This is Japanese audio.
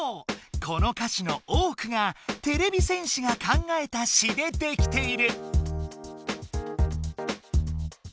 この歌詞の多くがてれび戦士が考えた「詞」で出来ている！